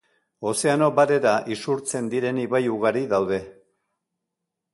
Ozeano Barera isurtzen diren ibai ugari daude.